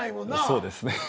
そうですね。